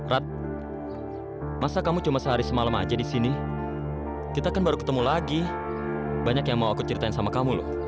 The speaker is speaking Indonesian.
rat masa kamu cuma sehari semalam aja di sini kita kan baru ketemu lagi banyak yang mau aku ceritain sama kamu loh